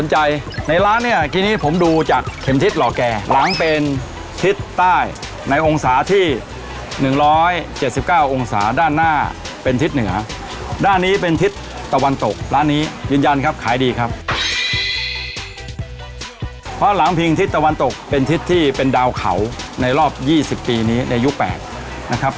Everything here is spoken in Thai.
ให้ดังปังไปเลยครับ